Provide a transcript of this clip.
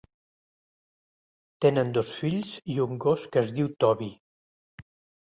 Tenen dos fills i un gos que es diu Toby.